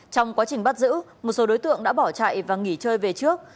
trong quá trình bắt giữ một số đối tượng đã bỏ chạy và nghỉ chơi về trước